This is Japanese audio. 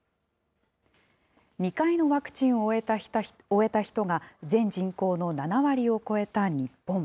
２回のワクチンを終えた人が全人口の７割を超えた日本。